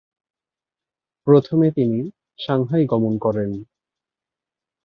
প্রথমে তিনি সাংহাই গমন করেন।